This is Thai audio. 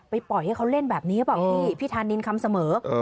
ไปปล่อยให้เขาเล่นแบบนี้บ้างพี่พี่ทานินคำเสมอเออ